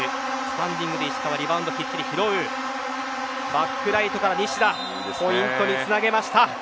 バックライトから西田ポイントにつなげました。